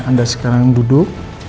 anda sekarang duduk